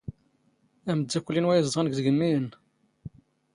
ⴰⵎⴷⴷⴰⴽⴽⵯⵍ ⵉⵏⵓ ⴰⴷ ⵉⵣⴷⵖⵏ ⴳ ⵜⴳⵎⵎⵉ ⴰⵏⵏ.